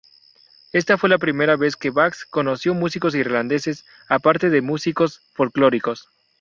Esta fue la primera vez que Bax conoció músicos irlandeses –aparte de músicos folclóricos—.